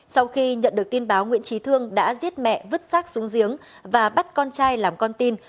sau khi nhận được tin báo nguyễn trí thương đã giết mẹ vứt sát xuống giếng và bắt con trai làm con tin